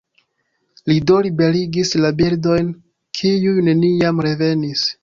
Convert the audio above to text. Li do liberigis la birdojn, kiuj neniam revenis.